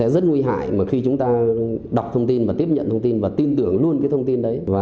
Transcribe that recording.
rất nguy hại khi chúng ta đọc thông tin tiếp nhận thông tin và tin tưởng luôn thông tin đấy